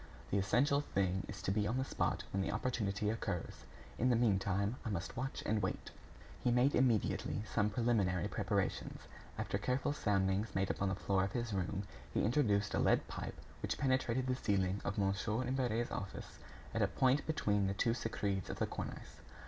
"The essential thing is to be on the spot when the opportunity occurs. In the meantime, I must watch and wait." He made immediately some preliminary preparations. After careful soundings made upon the floor of his room, he introduced a lead pipe which penetrated the ceiling of Mon. Imbert's office at a point between the two screeds of the cornice.